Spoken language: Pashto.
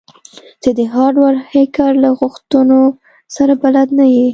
ته د هارډویر هیکر له غوښتنو سره بلد نه یې